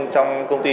trong công ty này